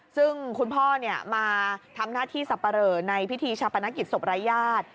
ซึ่งคุณพ่อมาทำหน้าที่สับปะเหลอในพิธีชาปนกิจศพรายญาติ